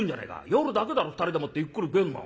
夜だけだろ２人でもってゆっくり食えんのは。